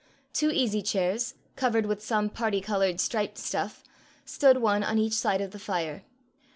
Two easy chairs, covered with some party coloured striped stuff, stood one on each side of the fire.